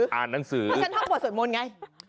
เพราะฉะนั้นฉันต้องโหลดสวดมนต์ไง